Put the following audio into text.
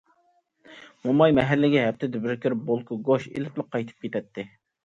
موماي مەھەللىگە ھەپتىدە بىر كىرىپ، بولكا، گۆش ئېلىپلا قايتىپ كېتەتتى.